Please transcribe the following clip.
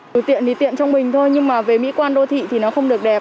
từ tiện thì tiện trong mình thôi nhưng mà về mỹ quan đô thị thì nó không được đẹp